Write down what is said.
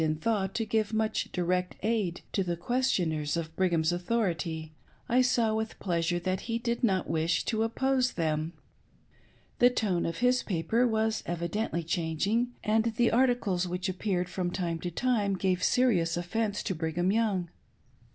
in thought to give much direct aid to the questioners of Brigham's authority, I saw with pleasure that he did not wish to oppose them ; the tone of his paper was evidently changing, and the articles which appeared frpm time to time gave serious offence to Brigham Young.